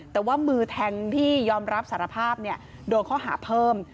แต่ว่ามือแทงที่ยอมรับสารภาพโดนข้อหาเพิ่ม